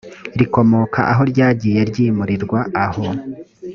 rikomoka aho ryagiye ryimurirwa aho